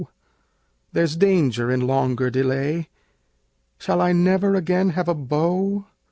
There's danger in longer delay! Shall I never again have a beau?